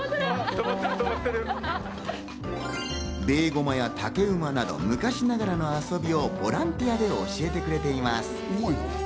ベーゴマや竹馬など、昔ながらの遊びをボランティアで教えてくれています。